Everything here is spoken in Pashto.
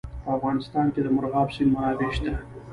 په افغانستان کې د مورغاب سیند منابع شته.